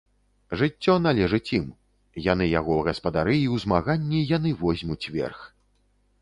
Жыццё належыць ім, яны яго гаспадары і ў змаганні яны возьмуць верх.